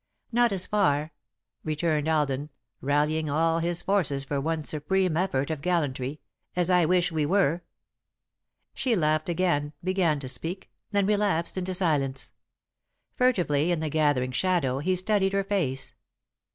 "Not as far," returned Alden, rallying all his forces for one supreme effort of gallantry, "as I wish we were." She laughed again, began to speak, then relapsed into silence. Furtively, in the gathering shadow, he studied her face.